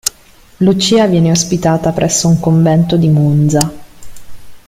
Lucia viene ospitata presso un convento di Monza.